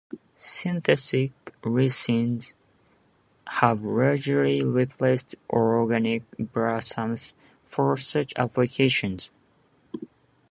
Synthetic resins have largely replaced organic balsams for such applications.